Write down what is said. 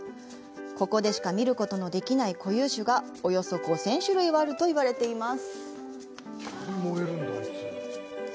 ここでしか見ることのできない固有種が、およそ５０００種類はあるといわれています。